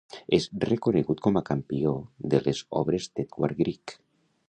És reconegut com a campió de les obres d'Edvard Grieg.